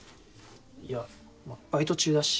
いやバイト中だし。